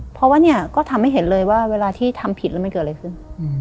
เพราะว่าเนี่ยก็ทำให้เห็นเลยว่าเวลาที่ทำผิดแล้วมันเกิดอะไรขึ้น